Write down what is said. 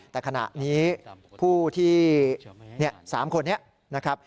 แต่ขณะนี้ผู้ที่๓คนนี้นะครับ